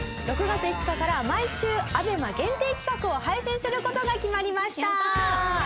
６月５日から毎週ＡＢＥＭＡ限定企画を配信する事が決まりました。